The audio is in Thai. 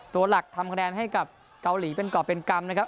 ตัวหลักทำคะแนนให้กับเกาหลีเป็นกรอบเป็นกรรมนะครับ